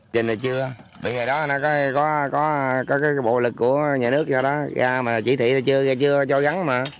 từ ngày đó nó có bộ lực của nhà nước cho ra mà chỉ thị chưa cho gắn mà